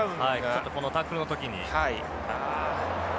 ちょっとこのタックルの時に。